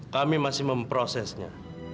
kami masih memprosesnya